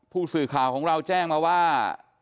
ผู้สื่อข่าวของเราแจ้งมาว่า